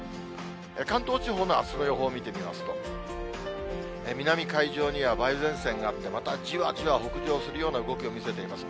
関東地方のあすの予報を見てみますと、南海上には梅雨前線があって、またじわじわ北上するような動きを見せています。